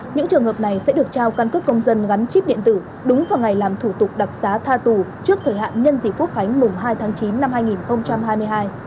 những trường hợp này sẽ được trao căn cước công dân gắn chip điện tử đúng vào ngày làm thủ tục đặc xá tha tù trước thời hạn nhân dịp quốc khánh mùng hai tháng chín năm hai nghìn hai mươi hai